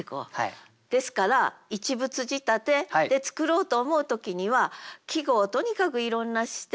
ですから一物仕立てで作ろうと思う時には季語をとにかくいろんな視点